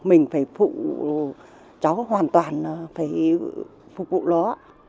mình phải phụ cháu hoàn toàn phải phục vụ nó